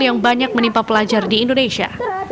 yang banyak menimpa pelajar di indonesia